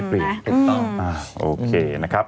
โอเคนะครับ